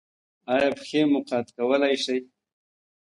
ایا پښې مو قات کولی شئ؟